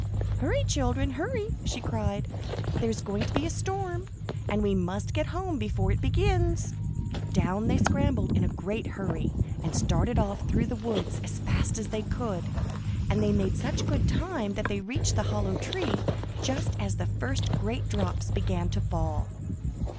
"Hurry, children, hurry," she cried. "There's going to be a storm, and we must get home before it begins." Down they scrambled in a great hurry, and started off through the woods as fast as they could, and they made such good time that they reached the hollow tree just as the first great drops began to fall.